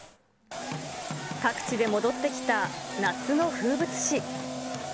各地で戻ってきた夏の風物詩。